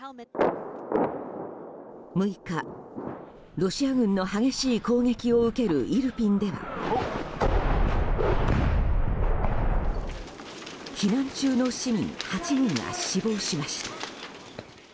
６日、ロシア軍の激しい攻撃を受けるイルピンでは避難中の市民８人が死亡しました。